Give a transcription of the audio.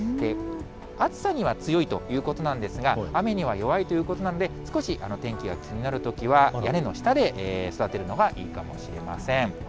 暑さには強いということなんですが、雨には弱いということなんで、少し天気が気になるときは、屋根の下で育てるのがいいかもしれません。